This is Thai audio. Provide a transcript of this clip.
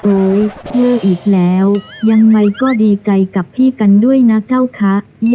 โอ้ยเยืออีกแล้วยังมายก็ดีใจกับพี่กันด้วยนะเจ้าคะ